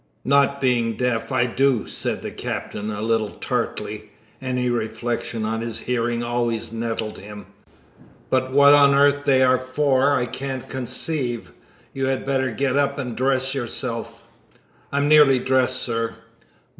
"Not being deaf, I do," said the Captain, a little tartly any reflection on his hearing always nettled him; "but what on earth they are for I can't conceive. You had better get up and dress yourself." "I'm nearly dressed, sir."